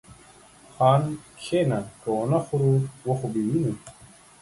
خان! کښينه که ونه خورو و خو به وينو.